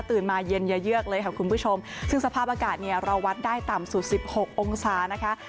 ตื่นมาเย็นเยี่ยกเลยค่ะคุณผู้ชมสภาพอากาศเนี่ยเราวัดได้ต่ำสู่๑๖องศานะคะ